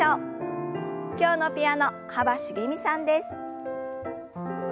今日のピアノ幅しげみさんです。